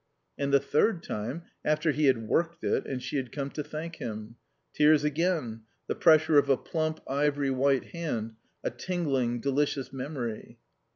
And the third time, after he had "worked it," and she had come to thank him. Tears again; the pressure of a plump, ivory white hand; a tingling, delicious memory.